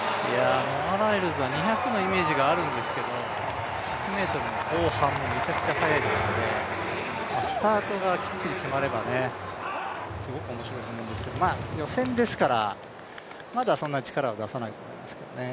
ノア・ライルズは２００のイメージがあるんですけど１００ｍの後半めちゃくちゃ速いですからスタートがきっちり決まれば、すごく面白いと思うんですけど、予選ですからまだそんなに力は出さないと思うんですけどね。